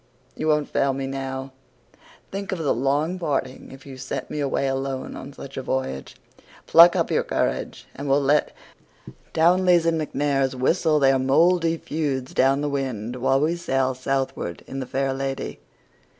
You won't fail me now. Think of the long parting if you send me away alone on such a voyage. Pluck up your courage, and we'll let Townleys and MacNairs whistle their mouldy feuds down the wind while we sail southward in The Fair Lady.